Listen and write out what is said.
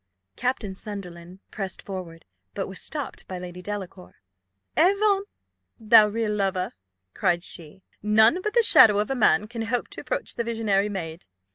Captain Sunderland pressed forward; but was stopped by Lady Delacour. "Avaunt, thou real lover!" cried she: "none but the shadow of a man can hope to approach the visionary maid.